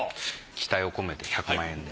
期待を込めて１００万円で。